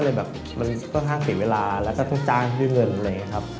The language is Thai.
ก็เลยแบบมันก็ทำเสียเวลาแล้วจ้างด้วยเงินนะครับ